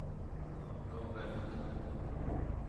Ew berdidin.